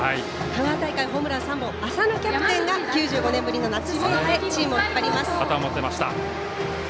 香川大会ホームラン３本の浅野キャプテンが９５年ぶりの夏制覇へチームを引っ張ります。